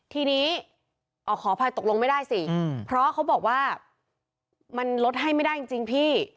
ทีนี้ขออภัยตกลงไม่ได้สิเพราะเขาบอกว่ามันลดให้ไม่ได้จริงพี่